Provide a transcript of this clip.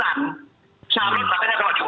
pak amin makanya kalau di wm